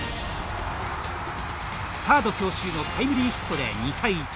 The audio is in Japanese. サード強襲のタイムリーヒットで２対１。